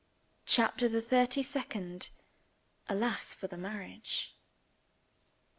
CHAPTER THE THIRTY SECOND Alas for the Marriage!